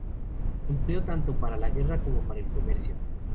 Se empleó tanto para la guerra como para el comercio.